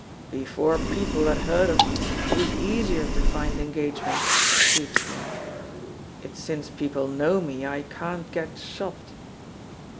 "Before people had heard of me it was easier to find engagements," he exclaimed; "it's since people know me I can't get shopped."